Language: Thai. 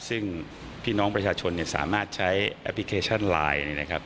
ซึ่งพี่น้องประชาชนสามารถใช้แอปพลิเคชันไลน์นะครับ